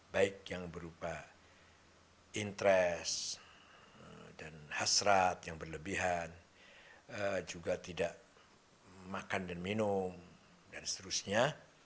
baik yang berupa interes dan hasrat yang berlebihan juga tidak makan dan minum dan seterusnya